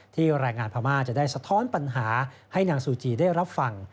แรงงานพม่าจะได้สะท้อนปัญหาให้นางซูจีได้รับฟัง